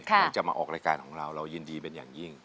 ไหนจะมาออกรายการของเราเรายินดีเป็นอย่างยิ่ง